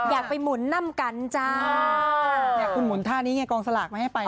อยากไปหมุนนั่มกันจ้า